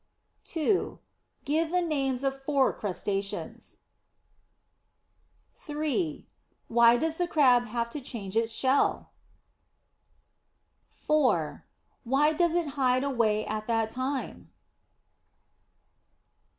2. Give the names of four crustaceans. 3. Why does the Crab have to change its shell? 4. Why does it hide away at that time?